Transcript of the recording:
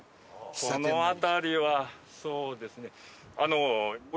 この辺りはそうですね。